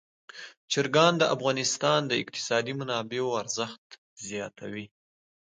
چرګان د افغانستان د اقتصادي منابعو ارزښت زیاتوي.